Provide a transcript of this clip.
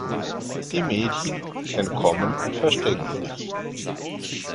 Die Mädchen entkommen und verstecken sich.